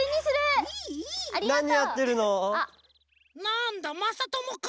なんだまさともか。